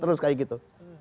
terus kaya gitu